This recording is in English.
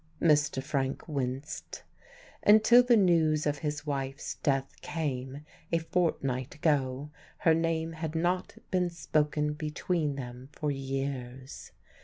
Mr. Frank winced. Until the news of his wife's death came, a fortnight ago, her name had not been spoken between them for years.